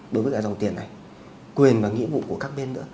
đối với cả dòng tiền này quyền và nghĩa vụ của các bên nữa